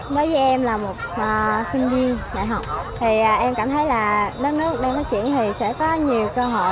với em là một sinh viên đại học thì em cảm thấy là đất nước đang phát triển thì sẽ có nhiều cơ hội